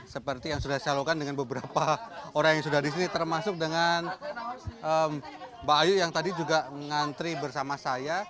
seperti yang sudah saya lakukan dengan beberapa orang yang sudah di sini termasuk dengan mbak ayu yang tadi juga mengantri bersama saya